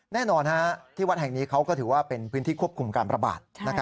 แน่นอนที่วัดแห่งนี้เขาก็ถือว่าเป็นพื้นที่ควบคุมการประบาด